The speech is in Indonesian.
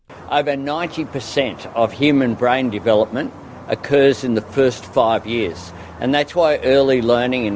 pembelajaran dan pendidikan adalah sangat penting